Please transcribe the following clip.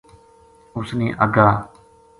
اس نے اَگا